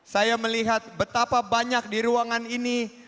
saya melihat betapa banyak di ruangan ini